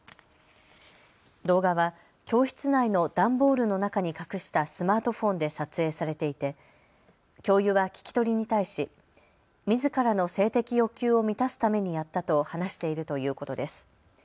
動画は教室内の段ボールの中に隠したスマートフォンで撮影されていて教諭は聞き取りに対しみずからの性的欲求を満たすためにやったと話しているということです。